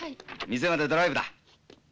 店までドライブだ。